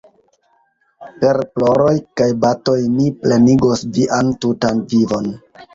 Per ploroj kaj batoj mi plenigos vian tutan vivon!